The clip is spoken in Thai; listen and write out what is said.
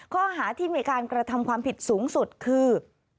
ข้อหาที่มีการกระทำความผิดสูงสุดคือ